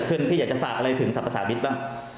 บุกรุกบ้านเราได้ไหนเพราะว่ามีไหน